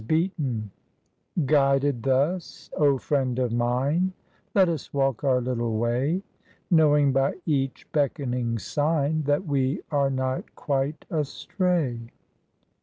BEATON_ "Guided thus, O friend of mine, Let us walk our little way; Knowing by each beckoning sign That we are not quite astray."